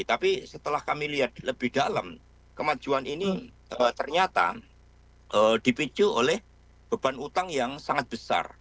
tapi setelah kami lihat lebih dalam kemajuan ini ternyata dipicu oleh beban utang yang sangat besar